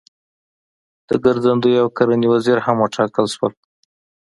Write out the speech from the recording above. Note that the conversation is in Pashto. د ګرځندوی او کرنې وزیر هم وټاکل شول.